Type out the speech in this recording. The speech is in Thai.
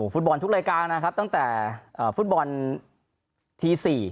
ฟุตบอลทุกรายการนะครับตั้งแต่ฟุตบอลที๔